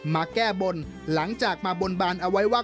มาแก้บนหลังจากมาบนบานเอาไว้ว่า